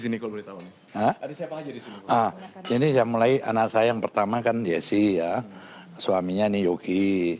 sini kalau ditawarin ini yang mulai anak saya yang pertama kan yesi ya suaminya ini yogi